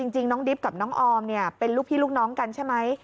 จริงน้องดิบกับน้องออมเป็นลูกพี่ลูกน้องกันใช่ไหม